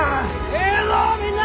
ええぞみんな！